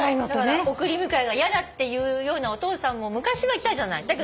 だから送り迎えが嫌だっていうようなお父さんも昔はいたじゃない。